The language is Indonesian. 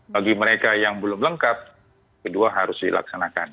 bagi mereka yang belum lengkap kedua harus dilaksanakan